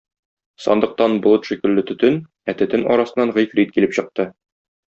Сандыктан болыт шикелле төтен, ә төтен арасыннан Гыйфрит килеп чыкты.